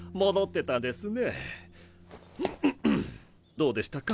どうでしたか？